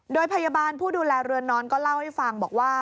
โดยพยาบาลผู้ดูแลเรือนนอนก็เล่าให้ฟังบอกว่า